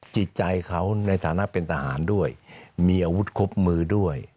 จิตใจเขาในฐานะเป็นทหารด้วยมีอาวุธครบมือด้วย